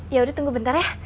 yaudah tunggu bentar ya